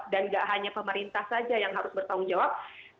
dan nggak hanya pemerintah saja yang harus bertanggung jawab